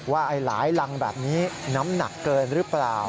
ว่าหลายรังแบบนี้น้ำหนักเกินหรือเปล่า